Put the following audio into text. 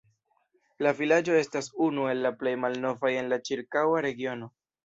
La vilaĝo estas unu el la plej malnovaj en la ĉirkaŭa regiono.